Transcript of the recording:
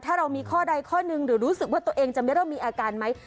ถ้าเรามีข้อใดข้อหนึ่งหรือรู้สึกว่าตัวเองจะไม่เริ่มมีอาการไหม